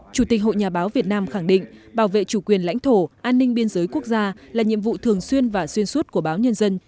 chủ tịch hội nhà báo việt nam khẳng định bảo vệ chủ quyền lãnh thổ an ninh biên giới quốc gia là nhiệm vụ thường xuyên và xuyên suốt của báo nhân dân